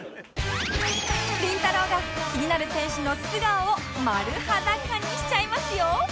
りんたろー。が気になる選手の素顔を丸裸にしちゃいますよ